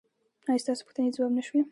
ایا ستاسو پوښتنې ځواب نه شوې؟